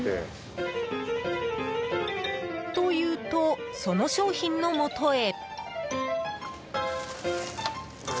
と言うと、その商品のもとへ。